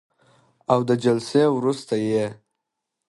او د جلسې وروسته یې